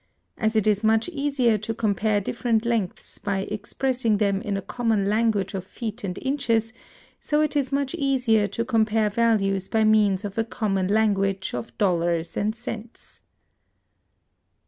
As it is much easier to compare different lengths by expressing them in a common language of feet and inches, so it is much easier to compare values by means of a common language of [dollars and cents].